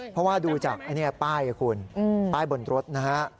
เพราะว่าดูจากป้ายคุณป้ายบนรถนะฮะ